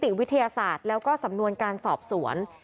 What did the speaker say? ต้องรอผลทางนิติวิทยาศาสตร์แล้วก็สำนวนการสอบสวน